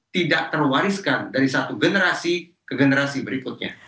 tidak terwariskan dari satu generasi ke generasi berikutnya